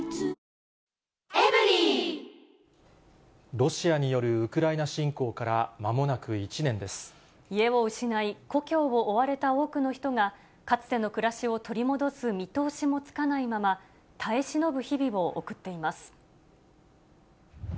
ロシアによるウクライナ侵攻家を失い、故郷を追われた多くの人が、かつての暮らしを取り戻す見通しもつかないまま、耐え忍ぶ日々を送っています。